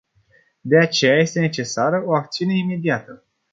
De aceea este necesară o acțiune imediată.